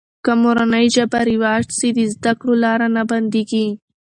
که مورنۍ ژبه رواج سي، د زده کړې لاره نه بندېږي.